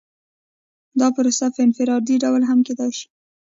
دا پروسه په انفرادي ډول هم کیدای شي.